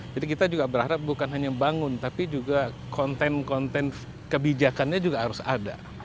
jadi kita juga berharap bukan hanya bangun tapi juga konten konten kebijakannya juga harus ada